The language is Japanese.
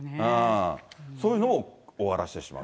そういうのを終わらせてしまう。